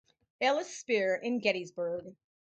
Ellis Spear in Gettysburg.